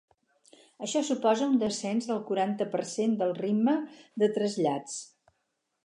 Això suposa un descens del quaranta per cent del ritme de trasllats.